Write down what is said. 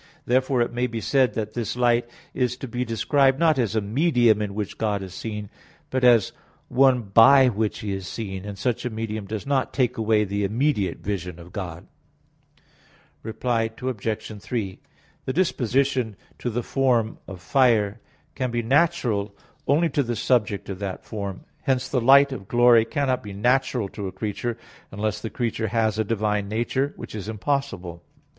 Therefore it may be said that this light is to be described not as a medium in which God is seen, but as one by which He is seen; and such a medium does not take away the immediate vision of God. Reply Obj. 3: The disposition to the form of fire can be natural only to the subject of that form. Hence the light of glory cannot be natural to a creature unless the creature has a divine nature; which is impossible.